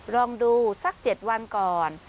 ลองดูสัก๗วันก่อน